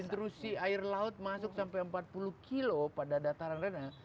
intrusi air laut masuk sampai empat puluh kilo pada dataran rendah